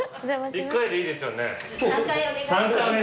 一回でいいですよね？